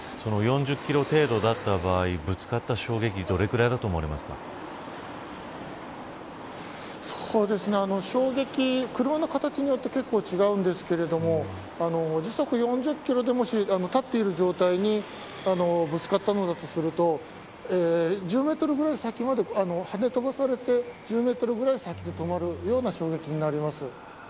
４０キロ程度だった場合ぶつかった衝撃衝撃は車の形によって結構違うんですけど時速４０キロで、もし立っている状態にぶつかったのだとすると１０メートルぐらい先まではね飛ばされて１０メートルぐらい先に止まるような衝撃になります。